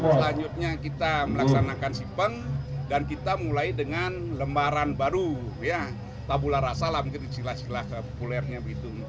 selanjutnya kita melaksanakan sipeng dan kita mulai dengan lembaran baru tabula rasa lah mungkin silah silah populernya begitu